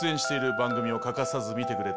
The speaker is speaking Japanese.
番組を欠かさず見てくれて